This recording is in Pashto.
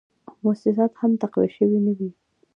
او موسسات هم تقویه شوي نه وې